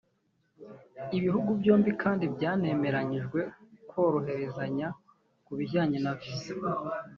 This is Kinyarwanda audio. Ibihugu byombi kandi byanemeranyijwe koroherezanya ku bijyanye na visa